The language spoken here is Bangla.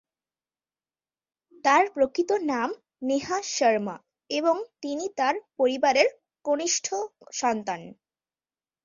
তার প্রকৃত নাম নেহা শর্মা এবং তিনি তার পরিবারের কনিষ্ঠ সন্তান।